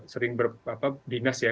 sering berdinas ya